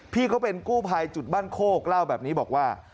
พี่เขาเป็นกู้ภัยจุดบ้านโคกเล่าแบบนี้บอกว่า